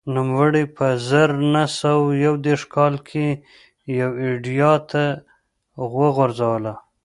نوموړي په زر نه سوه یو دېرش کال کې یوه ایډیا شا ته وغورځوله